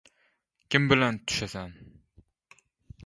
— Kim bilan tushasan?